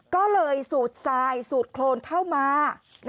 ก็เลยสูดทรายสูดโครนเข้ามา